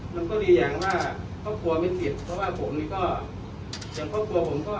มันก็มีอย่างว่าครอบครัวไม่ผิดเพราะว่าผมนี่ก็อย่างครอบครัวผมก็